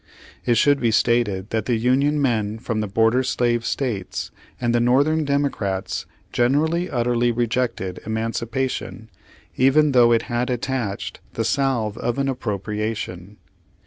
It should be stated that the Union men from the border slave States, and the Northern Democrats generally utterly rejected emancipation even though it had attached the salve of an appropria tion.